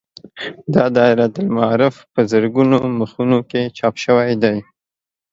دا دایرة المعارف په زرګونو مخونو کې چاپ شوی دی.